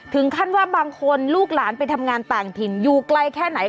ถึงขั้นว่าบางคนลูกหลานไปทำงานต่างถิ่นอยู่ไกลแค่ไหน